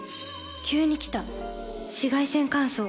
急に来た紫外線乾燥。